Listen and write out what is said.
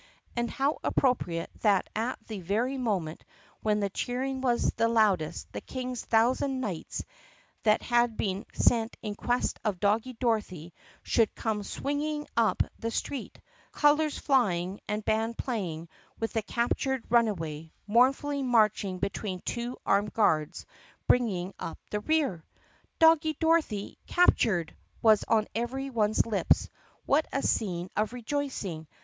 And how appropriate that at the very moment when the cheering was loudest the King's thousand knights that had been sent in quest of Doggie Dorothy should come swinging up the street, colors flying and band playing, with the captured run away, mournfully marching between two armed guards, bring ing up the rear! "Doggie Dorothy's captured!" was on every one's lips. What a scene of rejoicing!